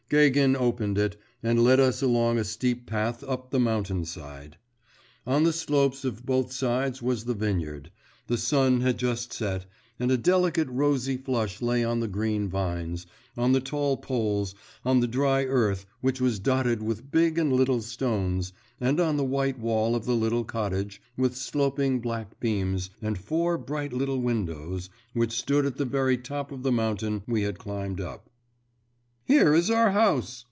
Gagin opened it, and led us along a steep path up the mountain side. On the slopes on both sides was the vineyard; the sun had just set, and a delicate rosy flush lay on the green vines, on the tall poles, on the dry earth, which was dotted with big and little stones, and on the white wall of the little cottage, with sloping black beams, and four bright little windows, which stood at the very top of the mountain we had climbed up. 'Here is our house!